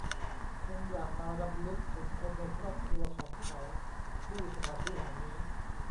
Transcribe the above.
คงอยากมารำลึกถึงคนในครอบครัวของเขา ที่สถานที่แห่งนี้